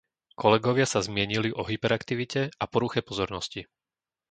Kolegovia sa zmienili o hyperaktivite a poruche pozornosti.